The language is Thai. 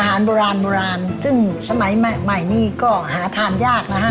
อาหารโบราณซึ่งสมัยใหม่นี้ก็อาทานยากนะครับ